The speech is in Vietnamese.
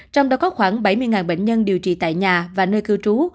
trong đó có khoảng bảy mươi bệnh nhân điều trị tại nhà và nơi cư trú